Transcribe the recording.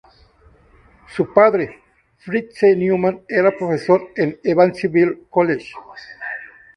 Su padre, Fritz C. Neumann, era profesor en el Evansville College.